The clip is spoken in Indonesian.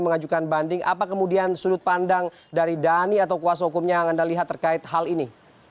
mengajukan banding apa kemudian sudut pandang dari dhani atau kuasa hukumnya yang anda lihat terkait hal ini